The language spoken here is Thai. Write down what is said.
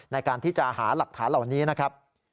ในการที่จะหาหลักฐานเหล่านี้นะครับ